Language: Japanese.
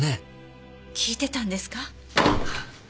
聞いてたんですか？